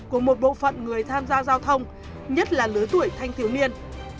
của một bộ phận người tham gia giao thông nhất là lứa tuổi thanh thiếu niên